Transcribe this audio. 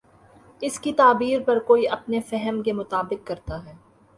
اس کی تعبیر ہر کوئی اپنے فہم کے مطابق کر تا ہے۔